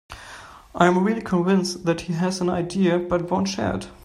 I am really convinced that he has an idea but won't share it.